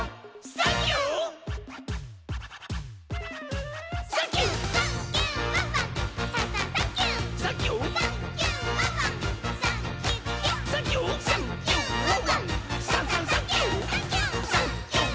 サンキュッ！